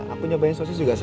aku nyobain sosis juga sih